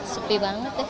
sepi banget deh